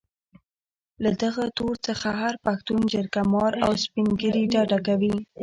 له دغه تور څخه هر پښتون جرګه مار او سپين ږيري ډډه کوي.